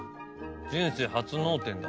人生初脳天だ。